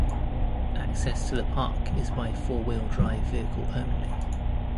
Access to the park is by four-wheel-drive vehicle only.